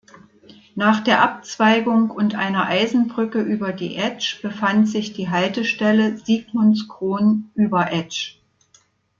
Nach der Abzweigung und einer Eisenbrücke über die Etsch befand sich die Haltestelle „Sigmundskron-Überetsch“.